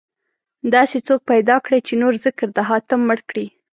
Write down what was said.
داسې څوک پيدا کړئ، چې نور ذکر د حاتم مړ کړي